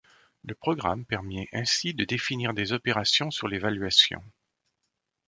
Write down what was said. Le programme permet ainsi de définir des opérations sur les valuations.